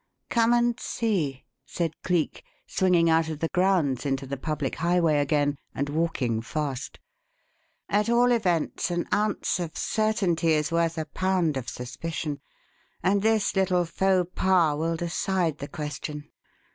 "Come and see!" said Cleek, swinging out of the grounds into the public highway again, and walking fast. "At all events, an ounce of certainty is worth a pound of suspicion, and this little faux pas will decide the question.